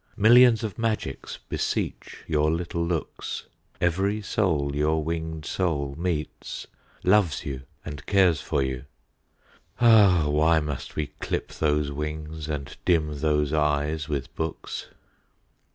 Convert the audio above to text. Millions of magics beseech your little looks; Every soul your winged soul meets, loves you and cares for you. Ah! why must we clip those wings and dim those eyes with books?